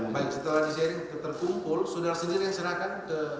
baik setelah di sharing terkumpul saudara sendiri yang serahkan ke